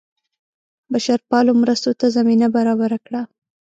بشرپالو مرستو ته زمینه برابره کړه.